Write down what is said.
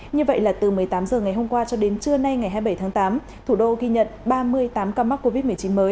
như vậy là từ một mươi tám h ngày hôm qua cho đến trưa nay ngày hai mươi bảy tháng tám thủ đô ghi nhận ba mươi tám ca mắc covid một mươi chín mới